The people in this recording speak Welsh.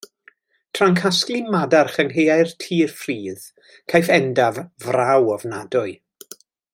Tra'n casglu madarch yng nghaeau Tŷ'n Ffridd caiff Endaf fraw ofnadwy.